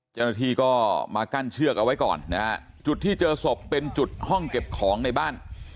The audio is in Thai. เจ้าหน้าที่ก็มากั้นเชือกเอาไว้ก่อนนะฮะจุดที่เจอศพเป็นจุดห้องเก็บของในบ้าน